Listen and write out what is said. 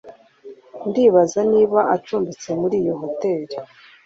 Ndibaza niba acumbitse muri iyo hoteri.